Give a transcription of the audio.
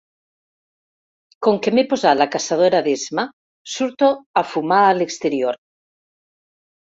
Com que m'he posat la caçadora d'esma, surto a fumar a l'exterior.